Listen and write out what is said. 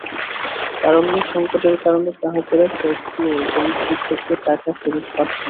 তারল্য সংকটের কারণে গ্রাহকেরা চেক দিয়েও ব্যাংকটি থেকে টাকা ফেরত পাচ্ছেন না।